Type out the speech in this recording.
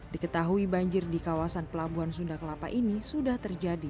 diketahui banjir di kawasan pelabuhan sunda kelapa ini sudah terjadi